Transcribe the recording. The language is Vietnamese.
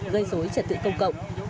gây dối trật tự công cộng